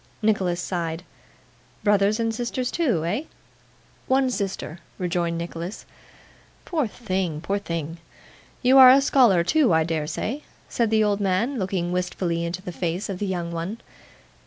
Nicholas sighed. 'Brothers and sisters too? Eh?' 'One sister,' rejoined Nicholas. 'Poor thing, poor thing! You are a scholar too, I dare say?' said the old man, looking wistfully into the face of the young one.